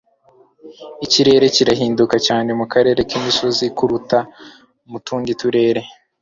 Ikirere kirahinduka cyane mukarere k'imisozi kuruta mu tundi turere